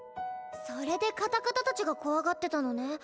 それでカタカタたちが怖がってたのね。